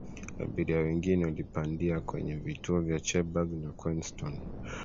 abiria wengine walipandia kwenye vituo vya cherbourg na queenstown